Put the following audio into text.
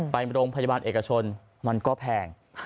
ไปโรงพยาบาลเอกชนมันก็แพง